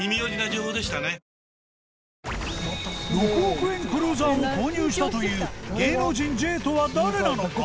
６億円クルーザーを購入したという芸能人 Ｊ とは誰なのか？